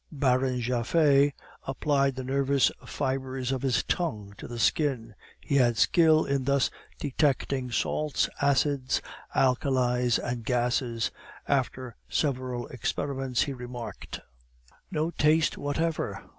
Baron Japhet applied the nervous fibres of his tongue to the skin; he had skill in thus detecting salts, acids, alkalis, and gases. After several experiments, he remarked: "No taste whatever!